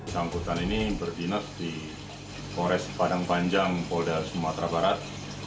samputan ini berdinas di polres tapanang panjang polres sumatera barat